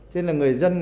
nên là người dân